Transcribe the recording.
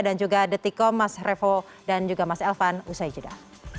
dan juga detikom mas trewo dan juga mas elvan usaijuda